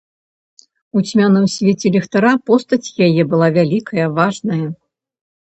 У цьмяным свеце ліхтара постаць яе была вялікая, важная.